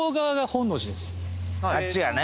あっちがね。